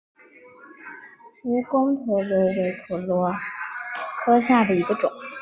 蜈蚣蛇螺为蛇螺科下的一个种。